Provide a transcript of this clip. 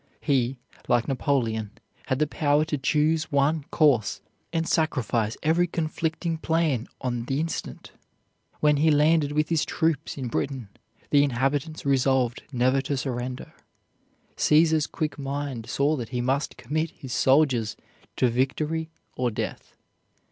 He, like Napoleon, had the power to choose one course, and sacrifice every conflicting plan on the instant. When he landed with his troops in Britain, the inhabitants resolved never to surrender. Caesar's quick mind saw that he must commit his soldiers to victory or death.